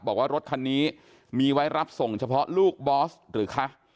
บอกว่ารถคันนี้มีไว้รับส่งเฉพาะลูกบอสหรือคะ